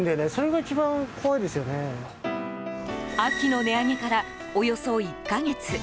秋の値上げからおよそ１か月。